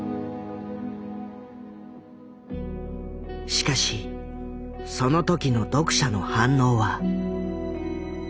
しかしその時の読者の反応は。